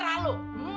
ada dua meja